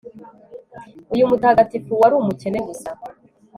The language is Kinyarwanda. Uyu mutagatifu wari umukene gusa